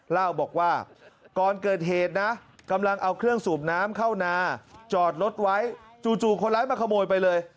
เล่าบอกว่าก่อนเกิดเหตุนะกำลังเอาเครื่องสูบน้ำเข้านาจอดรถไว้จู่คนร้ายมาขโมยไปเลย